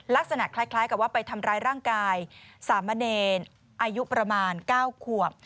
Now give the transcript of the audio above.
ลักษณะคล้ายกับว่าไปทำร้ายร่างกายสามเณรอายุประมาณ๙ขวบ